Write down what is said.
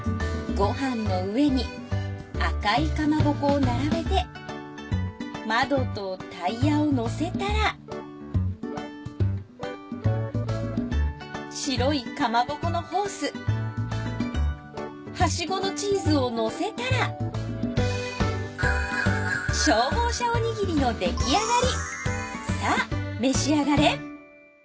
ごはんの上に赤いかまぼこを並べて窓とタイヤをのせたら白いかまぼこのホースはしごのチーズをのせたら消防車おにぎりの出来上がり。